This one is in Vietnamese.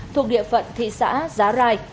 thuộc địa phận thị xã giá rai